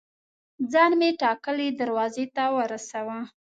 ځان مې ټاکلي دروازې ته ورساوه.